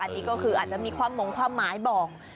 อันนี้ก็คืออาจจะมีความหมงความหมายบอก